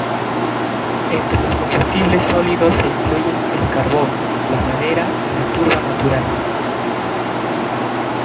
Entre los combustibles sólidos se incluyen el carbón, la madera y la turba natural.